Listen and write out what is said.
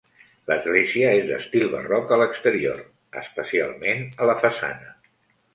L'església és d'estil barroc a l'exterior, especialment a la façana.